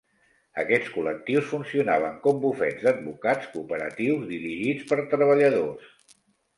Aquests col·lectius funcionaven com bufets d'advocats cooperatius dirigits per treballadors.